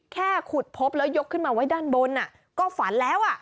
แค่ขุดพบและยกขึ้นมาไว้ด้านบนอ่ะก็ฝันแล้วอ่ะ